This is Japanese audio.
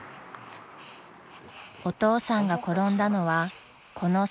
［お父さんが転んだのはこの坂道］